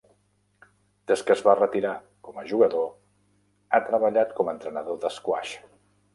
Des que es va retirar com a jugador, ha treballat com a entrenador d'esquaix.